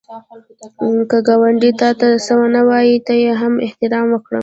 که ګاونډی تا ته څه ونه وايي، ته یې هم احترام وکړه